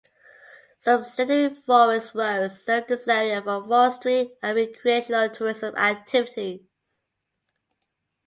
Some secondary forest roads serve this area for forestry and recreational tourism activities.